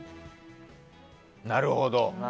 なるほど。